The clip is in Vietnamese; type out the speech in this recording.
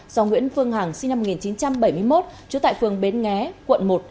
do nguyễn phương hằng sinh năm một nghìn chín trăm bảy mươi một trú tại phường bến nghé quận một